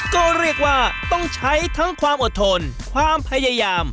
ก็เรียกว่าต้องใช้ทั้งความอดทนความพยายาม